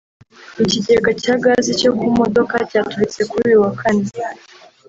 Ikigega cya Gazi cyo ku modoka cyaturitse kuri uyu wa Kane